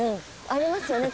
ありますよね？